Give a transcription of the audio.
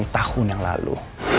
delapan tahun yang lalu